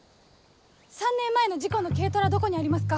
３年前の事故の軽トラどこにありますか？